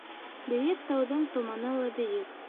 Бейек тауҙың томаны ла бейек.